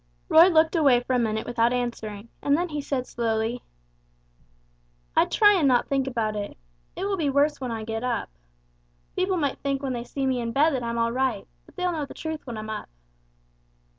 Roy looked away for a minute without answering, and then he said slowly: "I try and not think about it. It will be worse when I get up people might think when they see me in bed that I'm all right, but they'll know the truth when I'm up."